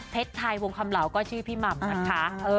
เพชรไทยวงคำเหลาก็ชื่อพี่หม่่่มว่ะเออ